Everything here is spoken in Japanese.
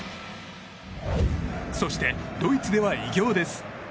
そして、ドイツでは偉業です。